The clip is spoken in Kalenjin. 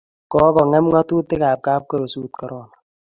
kokongem nga'atutik ab kapkorosut korona